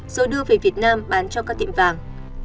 rồi đưa về việt nam bán cho các tiệm vàng